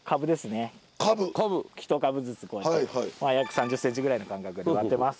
ひと株ずつこうやって約３０センチぐらいの間隔で植わってます。